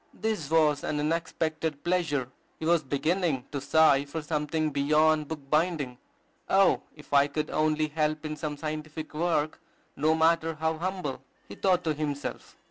This was an unexpected pleasure. He was beginning to sigh for something beyond book binding. "Oh, if I could only help in some scientific work, no matter how humble!" he thought to himself.